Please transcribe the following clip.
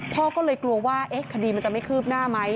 พ่อก็เลยกลัวว่าคดีมันจะไม่คืบหน้าไหม